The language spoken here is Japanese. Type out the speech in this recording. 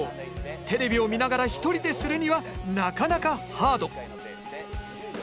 テレビを見ながら１人でするにはなかなかハード。